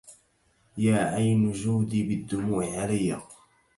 يا عين جودي بالدموع علي